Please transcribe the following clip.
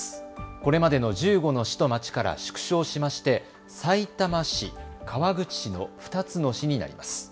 これまでの１５の市と町から縮小しましてさいたま市、川口市の２つの市になります。